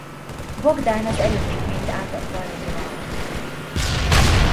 Bogdán az erődítményt átadta a lengyeleknek.